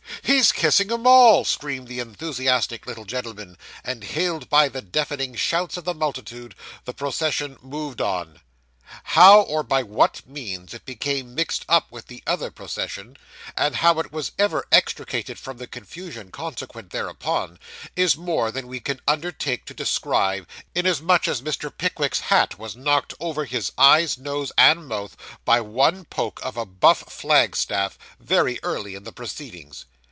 'He's kissing 'em all!' screamed the enthusiastic little gentleman, and hailed by the deafening shouts of the multitude, the procession moved on. How or by what means it became mixed up with the other procession, and how it was ever extricated from the confusion consequent thereupon, is more than we can undertake to describe, inasmuch as Mr. Pickwick's hat was knocked over his eyes, nose, and mouth, by one poke of a Buff flag staff, very early in the proceedings.